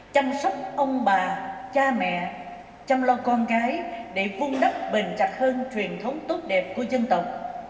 chăm sóc ông bà cha mẹ chăm lo con cái để vun đắp bền chặt hơn truyền thống tốt đẹp của dân tộc